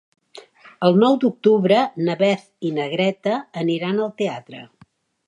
El nou d'octubre na Beth i na Greta aniran al teatre.